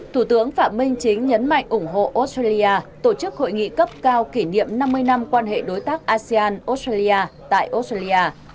thủ tướng phạm minh chính nhấn mạnh ủng hộ australia tổ chức hội nghị cấp cao kỷ niệm năm mươi năm quan hệ đối tác asean australia tại australia